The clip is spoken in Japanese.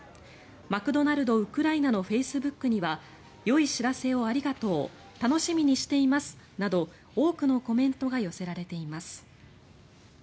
マクドナルド・ウクライナのフェイスブックにはよい知らせをありがとう楽しみにしていますなど多くのコメントが寄せられています。